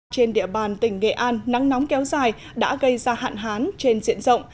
trên địa bàn tỉnh nghệ an nắng nóng kéo dài đã gây ra hạn hán trên diện rộng